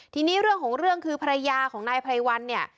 ทีนี้เรื่องของเรื่องคือภรรยาของนายไพรวัลเนี่ย